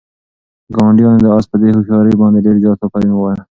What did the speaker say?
ګاونډیانو د آس په دې هوښیارۍ باندې ډېر زیات آفرین ووایه.